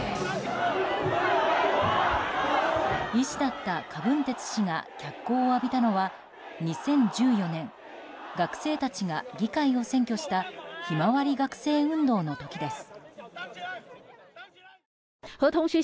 医師だった、カ・ブンテツ氏が脚光を浴びたのは２０１４年学生たちが議会を占拠したひまわり学生運動の時です。